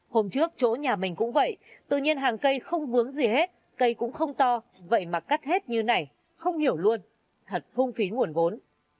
hôm trước chỗ nhà mình cũng vậy tự nhiên hàng cây không vướng gì hết cây cũng không to vậy mà cắt hết như này không hiểu luôn thật phung phí nguồn vốn